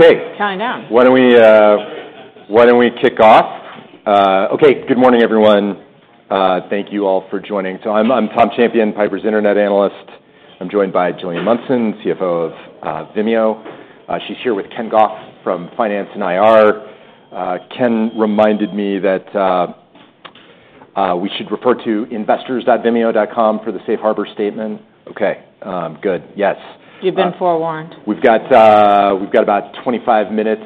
Okay. Counting down. Why don't we, why don't we kick off? Okay, good morning, everyone. Thank you all for joining. So I'm Tom Champion, Piper's Internet Analyst. I'm joined by Gillian Munson, CFO of Vimeo. She's here with Ken Goff from Finance and IR. Ken reminded me that we should refer to investors.vimeo.com for the safe harbor statement. Okay, good. Yes. You've been forewarned. We've got about 25 minutes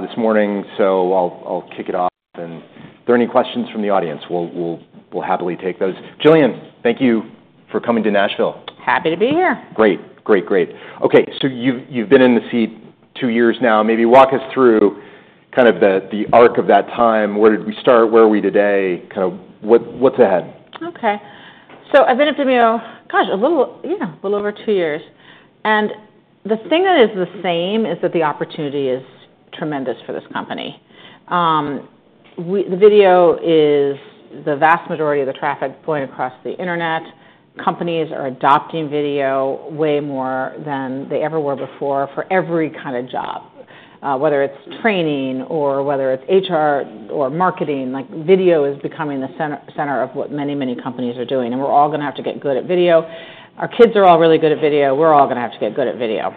this morning, so I'll kick it off. If there are any questions from the audience, we'll happily take those. Gillian, thank you for coming to Nashville. Happy to be here. Great. Great, great. Okay, so you've been in the seat two years now. Maybe walk us through kind of the arc of that time. Where did we start? Where are we today? Kind of what's ahead? Okay. I've been at Vimeo, gosh, a little over two years, and the thing that is the same is that the opportunity is tremendous for this company. The video is the vast majority of the traffic flowing across the internet. Companies are adopting video way more than they ever were before for every kind of job, whether it's training or whether it's HR or marketing, like, video is becoming the center of what many, many companies are doing, and we're all gonna have to get good at video. Our kids are all really good at video. We're all gonna have to get good at video.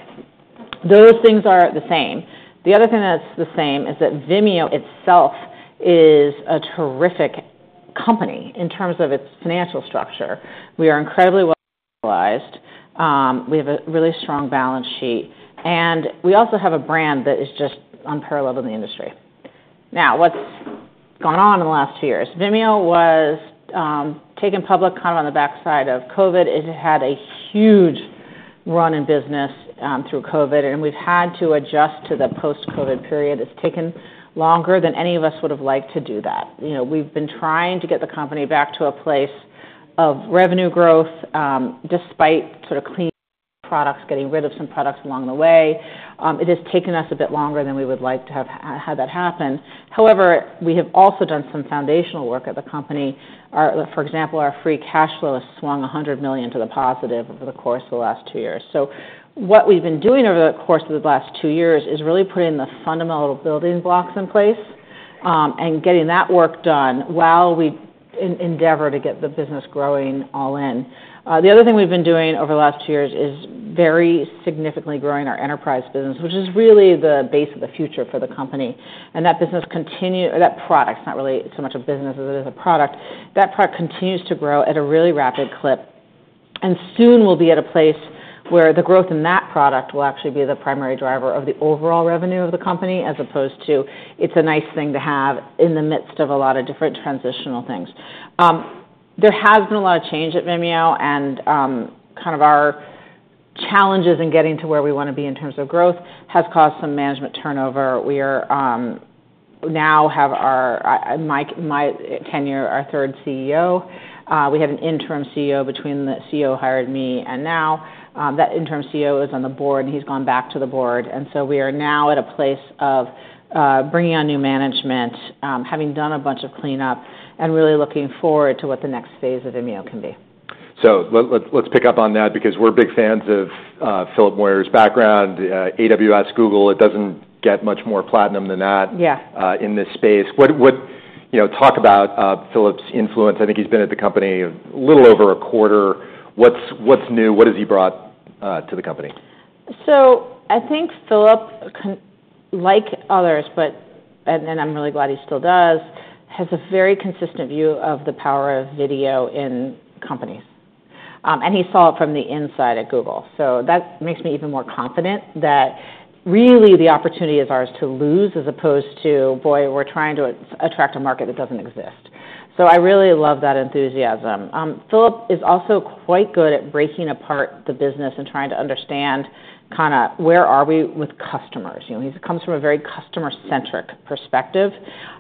Those things are the same. The other thing that's the same is that Vimeo itself is a terrific company in terms of its financial structure. We are incredibly well capitalized, we have a really strong balance sheet, and we also have a brand that is just unparalleled in the industry. Now, what's gone on in the last two years? Vimeo was taken public kind of on the backside of COVID. It had a huge run in business through COVID, and we've had to adjust to the post-COVID period. It's taken longer than any of us would have liked to do that. You know, we've been trying to get the company back to a place of revenue growth, despite sort of cleaning products, getting rid of some products along the way. It has taken us a bit longer than we would like to have had that happen. However, we have also done some foundational work at the company. For example, our free cash flow has swung $100 million to the positive over the course of the last two years. So what we've been doing over the course of the last two years is really putting the fundamental building blocks in place, and getting that work done while we endeavor to get the business growing all in. The other thing we've been doing over the last two years is very significantly growing our enterprise business, which is really the base of the future for the company. And that business or that product, it's not really so much a business as it is a product. That product continues to grow at a really rapid clip, and soon we'll be at a place where the growth in that product will actually be the primary driver of the overall revenue of the company, as opposed to, it's a nice thing to have in the midst of a lot of different transitional things. There has been a lot of change at Vimeo, and kind of our challenges in getting to where we wanna be in terms of growth has caused some management turnover. We are. We now have, during my tenure, our third CEO. We had an interim CEO between the CEO who hired me and now. That interim CEO is on the board, and he's gone back to the board. And so we are now at a place of bringing on new management, having done a bunch of cleanup and really looking forward to what the next phase of Vimeo can be. So let's pick up on that, because we're big fans of Philip Moyer's background. AWS, Google, it doesn't get much more platinum than that- Yeah... in this space. What you know, talk about Philip's influence. I think he's been at the company a little over a quarter. What's new? What has he brought to the company? So I think Philip, like others, and I'm really glad he still does, has a very consistent view of the power of video in companies, and he saw it from the inside at Google, so that makes me even more confident that really the opportunity is ours to lose, as opposed to, "Boy, we're trying to attract a market that doesn't exist." So I really love that enthusiasm. Philip is also quite good at breaking apart the business and trying to understand kinda where are we with customers? You know, he comes from a very customer-centric perspective,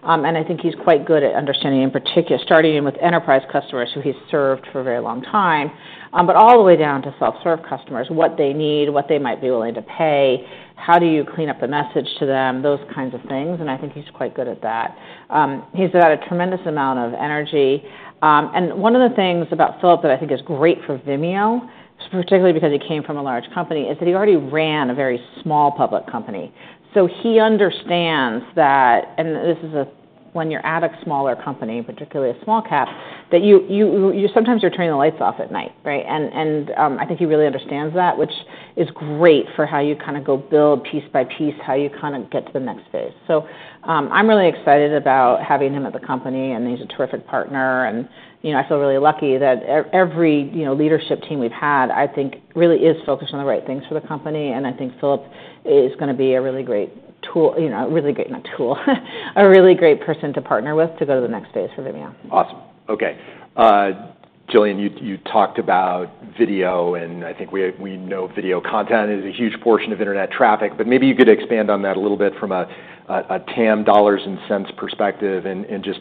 and I think he's quite good at understanding, in particular, starting in with enterprise customers, who he served for a very long time, but all the way down to self-serve customers, what they need, what they might be willing to pay, how do you clean up the message to them? Those kinds of things, and I think he's quite good at that. He's got a tremendous amount of energy, and one of the things about Philip that I think is great for Vimeo, particularly because he came from a large company, is that he already ran a very small public company. So he understands that, and this is when you're at a smaller company, particularly a small cap, that you sometimes you're turning the lights off at night, right? I think he really understands that, which is great for how you kind of go build piece by piece, how you kind of get to the next phase, so I'm really excited about having him at the company, and he's a terrific partner, and, you know, I feel really lucky that every, you know, leadership team we've had, I think, really is focused on the right things for the company, and I think Philip is gonna be a really great tool, you know, a really great- not tool, a really great person to partner with to go to the next phase for Vimeo. Awesome. Okay. Gillian, you talked about video, and I think we know video content is a huge portion of internet traffic, but maybe you could expand on that a little bit from a TAM dollars and cents perspective, and just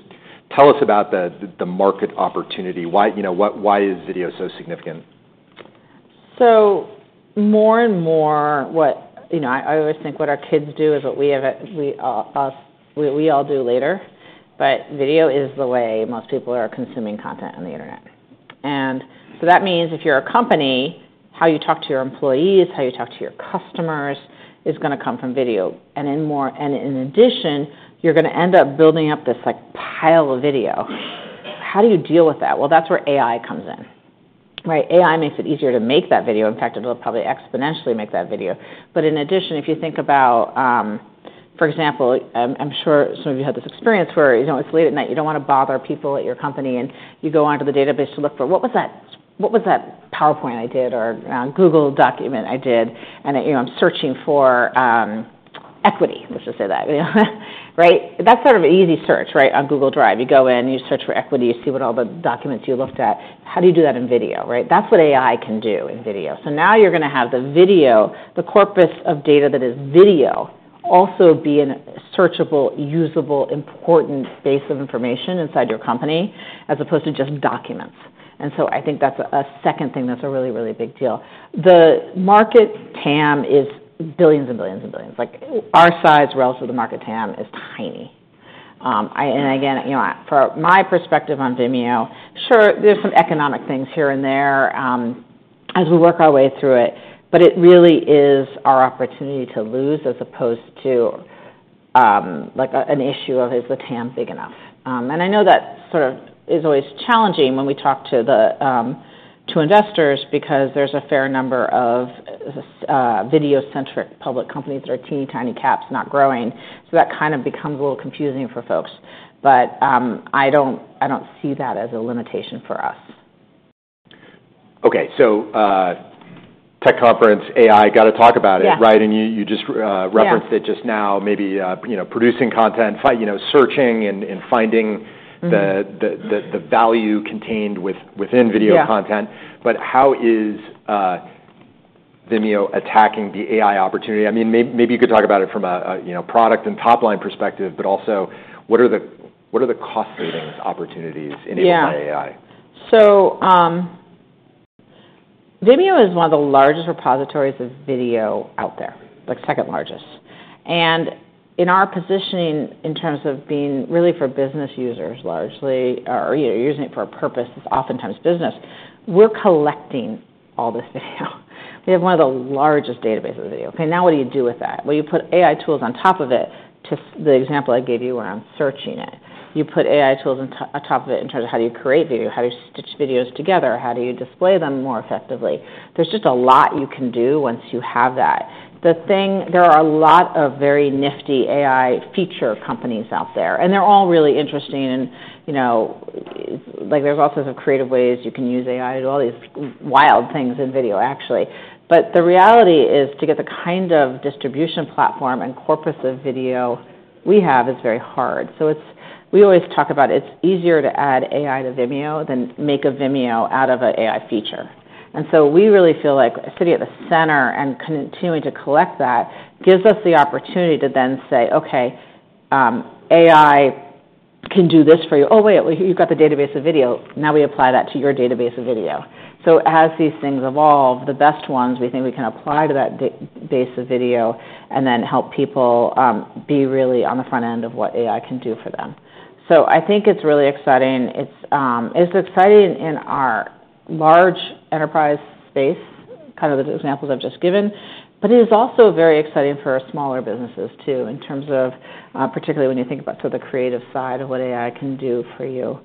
tell us about the market opportunity. Why you know, what why is video so significant? So more and more, you know, I always think what our kids do is what we all do later, but video is the way most people are consuming content on the internet, and so that means if you're a company, how you talk to your employees, how you talk to your customers, is gonna come from video, and in addition, you're gonna end up building up this, like, pile of video. How do you deal with that? Well, that's where AI comes in, right? AI makes it easier to make that video. In fact, it'll probably exponentially make that video. But in addition, if you think about, for example, I'm sure some of you had this experience where, you know, it's late at night, you don't wanna bother people at your company, and you go onto the database to look for, "What was that, what was that PowerPoint I did, or, Google document I did?" And, you know, I'm searching for, equity. Let's just say that, you know, right? That's sort of an easy search, right, on Google Drive. You go in, you search for equity, you see what all the documents you looked at. How do you do that in video, right? That's what AI can do in video. So now you're gonna have the video, the corpus of data that is video, also be a searchable, usable, important base of information inside your company, as opposed to just documents. And so I think that's a second thing that's a really, really big deal. The market TAM is billions and billions and billions. Like, our size relative to the market TAM is tiny. And again, you know, from my perspective on Vimeo, sure, there's some economic things here and there, as we work our way through it, but it really is our opportunity to lose, as opposed to, like, an issue of, is the TAM big enough? And I know that sort of is always challenging when we talk to the investors, because there's a fair number of video-centric public companies that are teeny-tiny caps, not growing, so that kind of becomes a little confusing for folks. But, I don't, I don't see that as a limitation for us. Okay. So, tech conference, AI, gotta talk about it- Yeah... right? And you just Yeah... referenced it just now, maybe, you know, producing content, you know, searching and finding- Mm-hmm... the value contained within video content. Yeah. But how is Vimeo attacking the AI opportunity? I mean, maybe you could talk about it from a you know, product and top-line perspective, but also, what are the cost savings opportunities in using AI? Yeah. So, Vimeo is one of the largest repositories of video out there, like second largest, and in our positioning, in terms of being really for business users largely, or, you know, using it for a purpose, it's oftentimes business, we're collecting all this video. We have one of the largest databases of video. Okay, now what do you do with that? Well, you put AI tools on top of it. To the example I gave you, where I'm searching it, you put AI tools on top of it in terms of how do you create video? How do you stitch videos together? How do you display them more effectively? There's just a lot you can do once you have that. The thing, there are a lot of very nifty AI feature companies out there, and they're all really interesting and, you know, like, there's all sorts of creative ways you can use AI, and all these wild things in video, actually. But the reality is, to get the kind of distribution platform and corpus of video we have is very hard, so it's, we always talk about it's easier to add AI to Vimeo than make a Vimeo out of a AI feature, and so we really feel like sitting at the center and continuing to collect that, gives us the opportunity to then say, "Okay, AI can do this for you. Oh, wait, we've got the database of video." Now we apply that to your database of video. So as these things evolve, the best ones we think we can apply to that database of video and then help people be really on the front end of what AI can do for them. So I think it's really exciting. It's, it's exciting in our large enterprise space, kind of the examples I've just given, but it is also very exciting for our smaller businesses, too, in terms of, particularly when you think about sort of the creative side of what AI can do for you.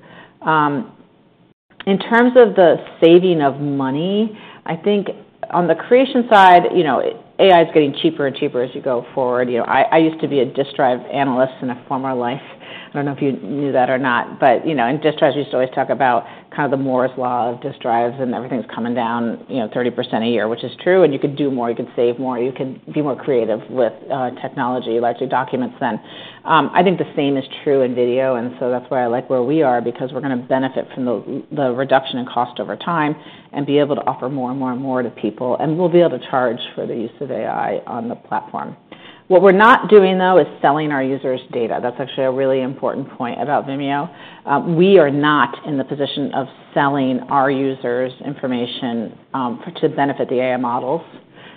In terms of the saving of money, I think on the creation side, you know, AI is getting cheaper and cheaper as you go forward. You know, I used to be a disk drive analyst in a former life. I don't know if you knew that or not, but you know, in disk drives, we used to always talk about kind of the Moore's Law of disk drives, and everything's coming down, you know, 30% a year, which is true, and you could do more, you could save more, you can be more creative with technology, like to documents then. I think the same is true in video, and so that's why I like where we are, because we're gonna benefit from the reduction in cost over time, and be able to offer more and more and more to people, and we'll be able to charge for the use of AI on the platform. What we're not doing, though, is selling our users' data. That's actually a really important point about Vimeo. We are not in the position of selling our users' information to benefit the AI models.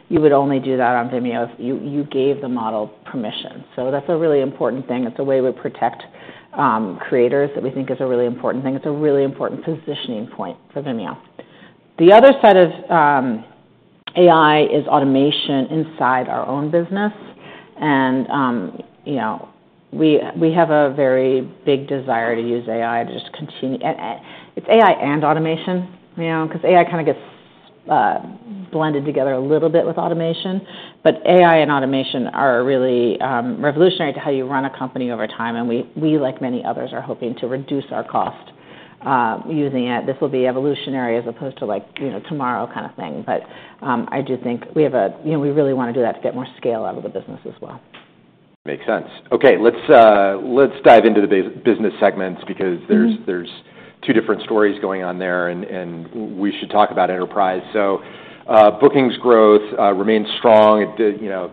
You would only do that on Vimeo if you gave the model permission. So that's a really important thing. It's a way we protect creators that we think is a really important thing. It's a really important positioning point for Vimeo. The other side of AI is automation inside our own business, and you know, we have a very big desire to use AI to just continue. It's AI and automation, you know, 'cause AI kind of gets blended together a little bit with automation. But AI and automation are really revolutionary to how you run a company over time, and we, like many others, are hoping to reduce our cost using it. This will be evolutionary as opposed to, like, you know, tomorrow kind of thing. But, I do think we have you know, we really wanna do that to get more scale out of the business as well. Makes sense. Okay, let's dive into the business segments, because- Mm-hmm... there's two different stories going on there, and we should talk about enterprise. So, bookings growth remains strong. It did, you know,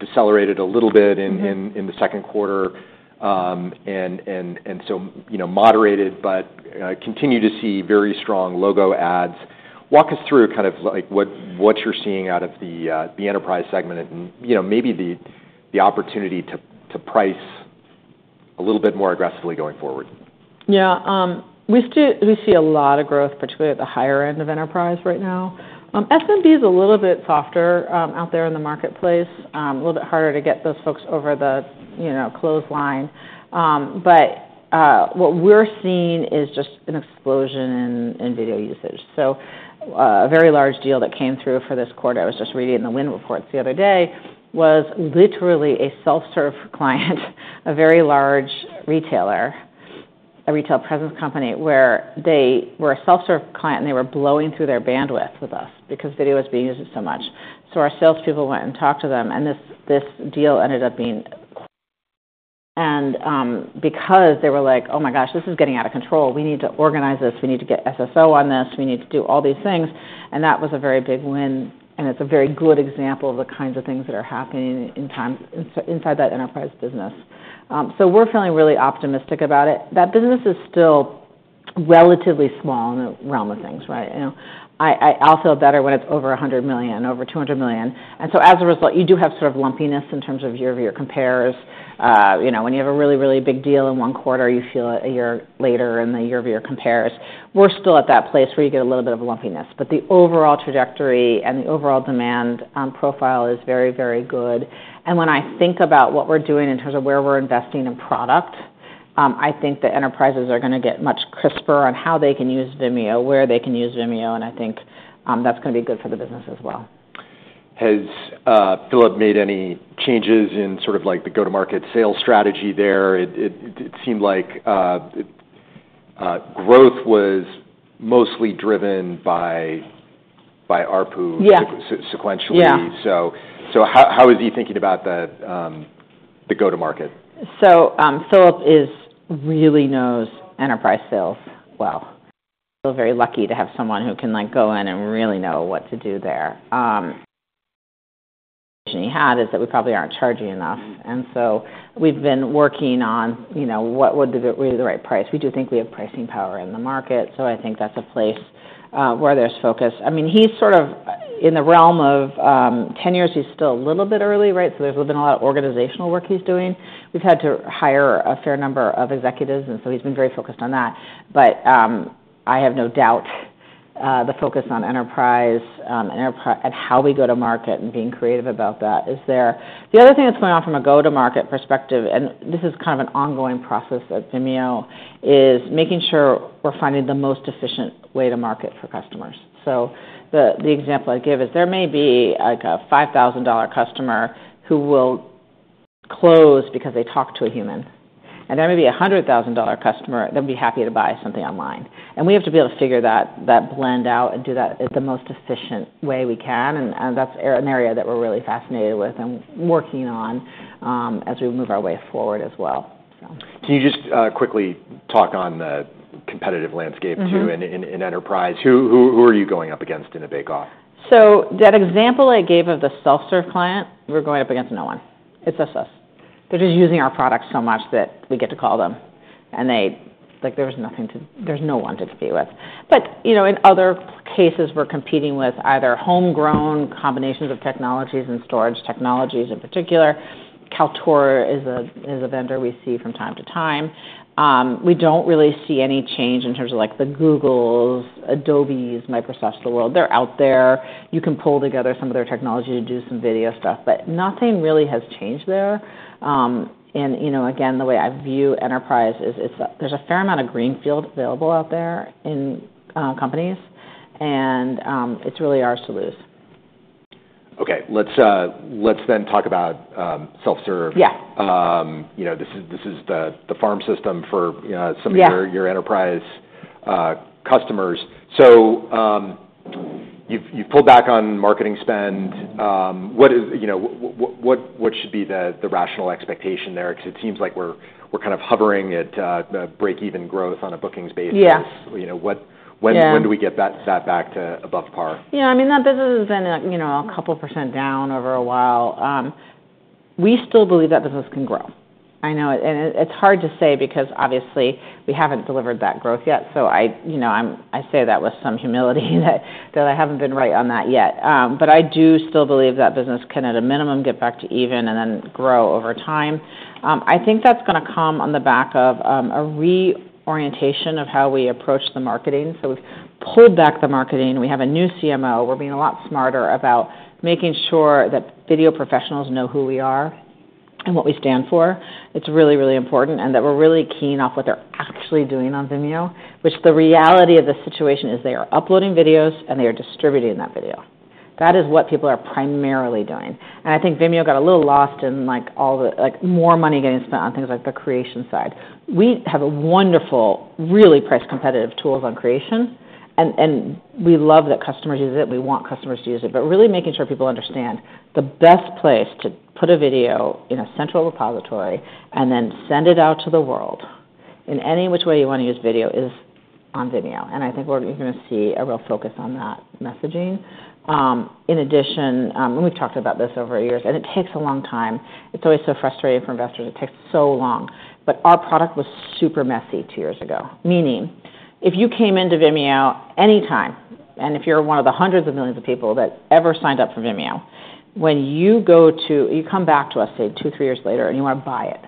decelerated a little bit in- Mm-hmm... in the second quarter, and so, you know, moderated, but continue to see very strong logo adds. Walk us through kind of, like, what you're seeing out of the enterprise segment and, you know, maybe the opportunity to price a little bit more aggressively going forward? Yeah, we still, we see a lot of growth, particularly at the higher end of enterprise right now. SMB is a little bit softer, out there in the marketplace, a little bit harder to get those folks over the, you know, close line. But what we're seeing is just an explosion in video usage. So a very large deal that came through for this quarter, I was just reading the win reports the other day, was literally a self-serve client, a very large retailer, a retail presence company, where they were a self-serve client, and they were blowing through their bandwidth with us because video was being used so much. So our sales people went and talked to them, and this deal ended up being, and because they were like, "Oh, my gosh, this is getting out of control. We need to organize this. We need to get SSO on this. We need to do all these things." And that was a very big win, and it's a very good example of the kinds of things that are happening inside that enterprise business. We're feeling really optimistic about it. That business is still relatively small in the realm of things, right? You know, I'll feel better when it's over $100 million, over $200 million. And so as a result, you do have sort of lumpiness in terms of year-over-year compares. You know, when you have a really, really big deal in one quarter, you feel it a year later in the year-over-year compares. We're still at that place where you get a little bit of lumpiness, but the overall trajectory and the overall demand profile is very, very good. And when I think about what we're doing in terms of where we're investing in product, I think the enterprises are gonna get much crisper on how they can use Vimeo, where they can use Vimeo, and I think that's gonna be good for the business as well. Has Philip made any changes in sort of like the go-to-market sales strategy there? It seemed like growth was mostly driven by ARPU- Yeah... sequentially. Yeah. So how is he thinking about the go-to market? Philip really knows enterprise sales well. We're very lucky to have someone who can, like, go in and really know what to do there. He has this, that we probably aren't charging enough. And so we've been working on, you know, what would be the, really the right price. We do think we have pricing power in the market, so I think that's a place where there's focus. I mean, he's sort of in the realm of tenures. He's still a little bit early, right? So there's been a lot of organizational work he's doing. We've had to hire a fair number of executives, and so he's been very focused on that. But I have no doubt the focus on enterprise and how we go to market and being creative about that is there. The other thing that's going on from a go-to-market perspective, and this is kind of an ongoing process at Vimeo, is making sure we're finding the most efficient way to market for customers. The example I give is there may be, like, a $5,000 customer who will close because they talk to a human, and there may be a $100,000 customer that'd be happy to buy something online. We have to be able to figure that blend out and do that at the most efficient way we can, and that's an area that we're really fascinated with and working on as we move our way forward as well. Can you just, quickly talk on the competitive landscape? Mm-hmm... too, in enterprise? Who are you going up against in a bake-off? So that example I gave of the self-serve client, we're going up against no one. It's just us. They're just using our product so much that we get to call them, and they like there's no one to compete with. But you know in other cases, we're competing with either homegrown combinations of technologies and storage technologies in particular. Kaltura is a vendor we see from time to time. We don't really see any change in terms of like the Google's, Adobe's, Microsoft's of the world. They're out there. You can pull together some of their technology to do some video stuff, but nothing really has changed there. And you know again the way I view enterprise is there's a fair amount of greenfield available out there in companies, and it's really ours to lose. Okay, let's, let's then talk about self-serve. Yeah. You know, this is the farm system for- Yeah... some of your enterprise customers. So, you've pulled back on marketing spend. What is, you know, what should be the rational expectation there? Because it seems like we're kind of hovering at the break-even growth on a bookings basis. Yeah. You know, what- Yeah... when do we get that back to above par? Yeah, I mean, that business has been at, you know, a couple% down over a while. We still believe that business can grow. I know, and it, it's hard to say because, obviously, we haven't delivered that growth yet. So I, you know, I say that with some humility, that I haven't been right on that yet. But I do still believe that business can, at a minimum, get back to even and then grow over time. I think that's gonna come on the back of a reorientation of how we approach the marketing. So we've pulled back the marketing. We have a new CMO. We're being a lot smarter about making sure that video professionals know who we are and what we stand for. It's really, really important that we're really keen on what they're actually doing on Vimeo, which the reality of the situation is they are uploading videos, and they are distributing that video. That is what people are primarily doing. And I think Vimeo got a little lost in, like, all the, like, more money getting spent on things like the creation side. We have a wonderful, really price-competitive tools on creation, and we love that customers use it. We want customers to use it, but really making sure people understand the best place to put a video in a central repository and then send it out to the world, in any which way you wanna use video, is on Vimeo, and I think you're gonna see a real focus on that messaging. In addition, and we've talked about this over the years, and it takes a long time. It's always so frustrating for investors. It takes so long. But our product was super messy two years ago, meaning if you came into Vimeo anytime, and if you're one of the hundreds of millions of people that ever signed up for Vimeo, when you come back to us, say, two, three years later, and you wanna buy it,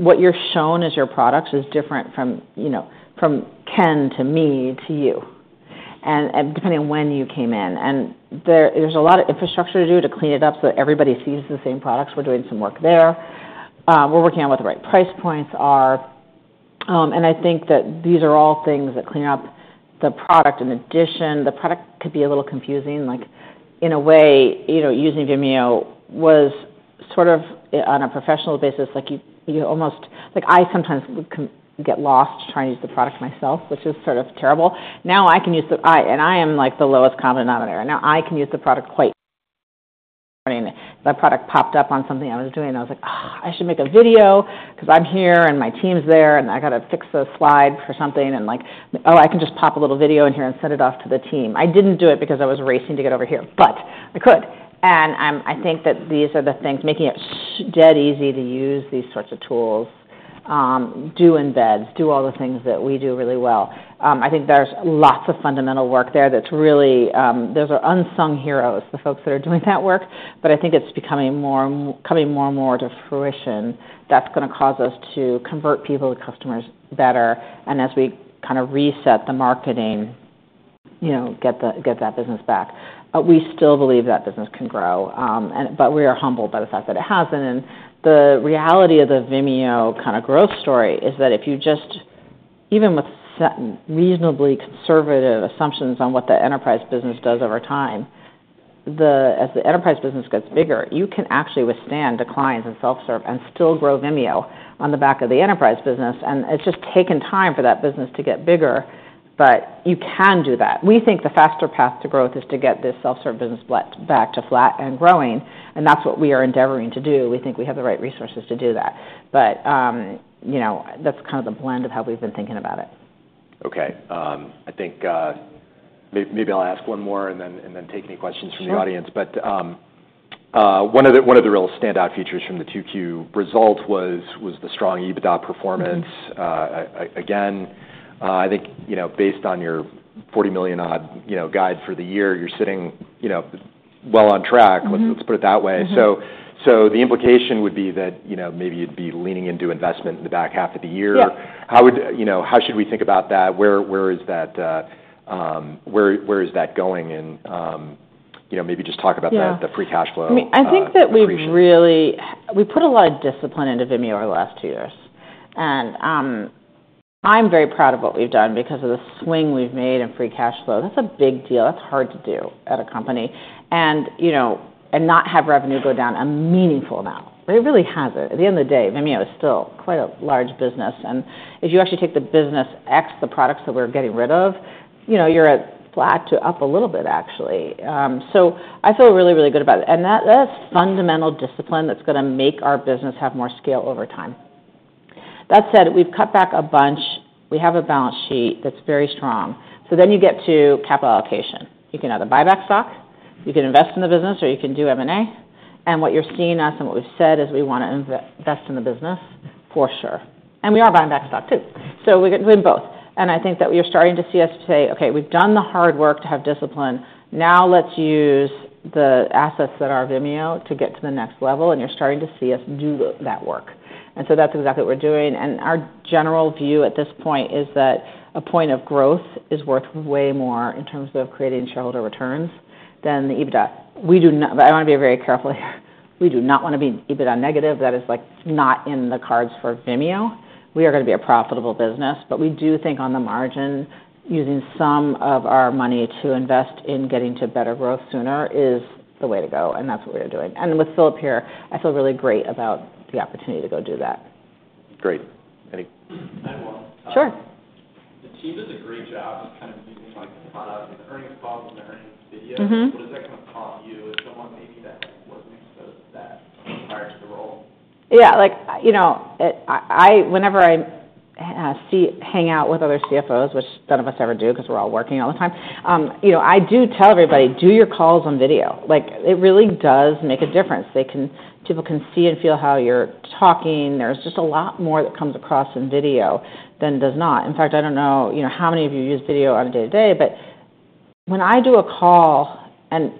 what you're shown as your products is different from, you know, from Ken to me to you, and, and depending on when you came in. And there's a lot of infrastructure to do to clean it up so that everybody sees the same products. We're doing some work there. We're working on what the right price points are. and I think that these are all things that clean up the product. In addition, the product could be a little confusing. Like, in a way, you know, using Vimeo was sort of on a professional basis, like, you almost like, I sometimes would get lost trying to use the product myself, which is sort of terrible. Now, I can use it. I am, like, the lowest common denominator, and now I can use the product right. That product popped up on something I was doing, and I was like, "Ah, I should make a video 'cause I'm here, and my team's there, and I gotta fix this slide for something," and like, "Oh, I can just pop a little video in here and send it off to the team." I didn't do it because I was racing to get over here, but I could, and I think that these are the things, making it dead easy to use these sorts of tools, do embeds, do all the things that we do really well. I think there's lots of fundamental work there that's really... Those are unsung heroes, the folks that are doing that work, but I think it's becoming more and more to fruition. That's gonna cause us to convert people to customers better, and as we kinda reset the marketing, you know, get that business back. We still believe that business can grow, and but we are humbled by the fact that it hasn't. The reality of the Vimeo kinda growth story is that if you just, even with reasonably conservative assumptions on what the enterprise business does over time, as the enterprise business gets bigger, you can actually withstand declines in self-serve and still grow Vimeo on the back of the enterprise business, and it's just taken time for that business to get bigger, but you can do that. We think the faster path to growth is to get this self-serve business flat, back to flat and growing, and that's what we are endeavoring to do. We think we have the right resources to do that, but, you know, that's kind of the blend of how we've been thinking about it. Okay. I think, maybe I'll ask one more, and then take any questions from the audience. Sure. One of the real standout features from the 2Q results was the strong EBITDA performance. Mm-hmm. Again, I think, you know, based on your forty million odd, you know, guide for the year, you're sitting, you know, well on track- Mm-hmm... let's put it that way. Mm-hmm. The implication would be that, you know, maybe you'd be leaning into investment in the back half of the year. Yeah. You know, how should we think about that? Where is that going? And, you know, maybe just talk about the- Yeah... the free cash flow creation. I mean, I think that we've put a lot of discipline into Vimeo over the last two years, and I'm very proud of what we've done because of the swing we've made in free cash flow. That's a big deal. That's hard to do at a company and, you know, and not have revenue go down a meaningful amount, but it really hasn't. At the end of the day, Vimeo is still quite a large business, and if you actually take the business ex the products that we're getting rid of, you know, you're at flat to up a little bit, actually. So I feel really, really good about it, and that's fundamental discipline that's gonna make our business have more scale over time. That said, we've cut back a bunch. We have a balance sheet that's very strong. So then you get to capital allocation. You can either buy back stock, you can invest in the business, or you can do M&A, and what you're seeing us and what we've said is we wanna invest in the business for sure, and we are buying back stock, too. So we're doing both, and I think that you're starting to see us say, "Okay, we've done the hard work to have discipline. Now let's use the assets that are Vimeo to get to the next level," and you're starting to see us do that work. And so that's exactly what we're doing. And our general view at this point is that a point of growth is worth way more in terms of creating shareholder returns than the EBITDA. We do not, but I wanna be very careful here. We do not wanna be EBITDA negative. That is, like, not in the cards for Vimeo. We are gonna be a profitable business, but we do think on the margin, using some of our money to invest in getting to better growth sooner is the way to go, and that's what we are doing. And with Philip here, I feel really great about the opportunity to go do that. Great. Any- I will. Sure. The team does a great job just kind of using, like, the earnings calls and the earnings video. Mm-hmm. What does that kind of prompt you as someone maybe that, like, wasn't exposed to that prior to the role? Yeah, like, you know, it. I whenever I hang out with other CFOs, which none of us ever do, 'cause we're all working all the time, you know, I do tell everybody: "Do your calls on video." Like, it really does make a difference. People can see and feel how you're talking. There's just a lot more that comes across in video than does not. In fact, I don't know, you know, how many of you use video on a day-to-day, but when I do a call and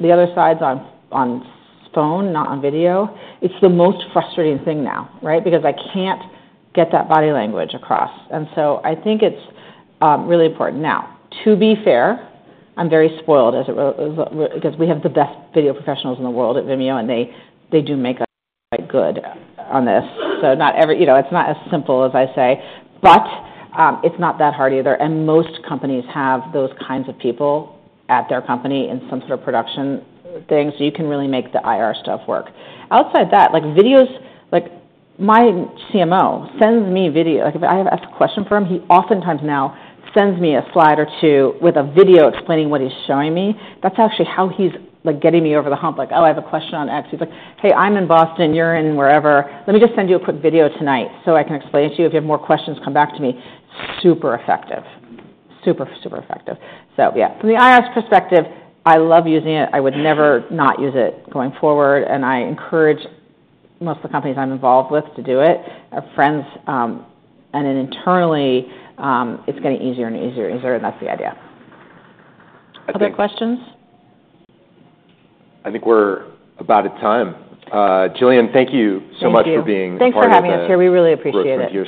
the other side's on phone, not on video, it's the most frustrating thing now, right? Because I can't get that body language across, and so I think it's really important. Now, to be fair, I'm very spoiled, as it because we have the best video professionals in the world at Vimeo, and they, they do make us quite good on this. So not every... You know, it's not as simple as I say, but, it's not that hard either, and most companies have those kinds of people at their company in some sort of production thing, so you can really make the IR stuff work. Outside that, like, videos, like, my CMO sends me video. Like, if I ask a question from him, he oftentimes now sends me a slide or two with a video explaining what he's showing me. That's actually how he's, like, getting me over the hump. Like, oh, I have a question on X. He's like: "Hey, I'm in Boston, you're in wherever. Let me just send you a quick video tonight, so I can explain it to you. If you have more questions, come back to me." Super effective. Super, super effective. So yeah, from the IR perspective, I love using it. I would never not use it going forward, and I encourage most of the companies I'm involved with to do it. Our friends, and then internally, it's getting easier and easier and easier, and that's the idea. I think- Other questions? I think we're about at time. Gillian, thank you so much- Thank you... for being a part of the- Thanks for having us here. We really appreciate it.